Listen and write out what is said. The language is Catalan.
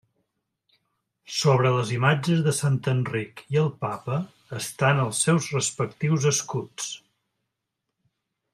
Sobre les imatges de sant Enric i el papa estan els seus respectius escuts.